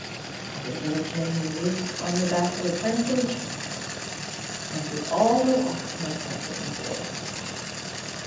I think Emma Jane leaps on the back of a prancing chestnut, and we all go off to my castle in the forest."